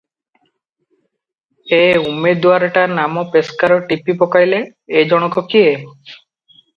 ଏ ଉମେଦୁଆରଟା ନାମ ପେସ୍କାର ଟିପି ପକାଇଲେ, ଏ ଜଣକ କିଏ?